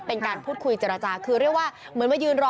เป็นการพูดคุยเจรจาคือเรียกว่าเหมือนมายืนรอ